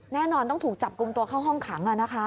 แน่นอนต้องถูกจับกลุ่มตัวเข้าห้องขัง